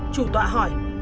chủ tọa hỏi